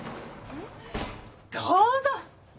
どうぞ！